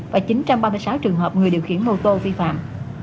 và chín trăm ba mươi sáu trường hợp người điều khiển mô tô vi phạm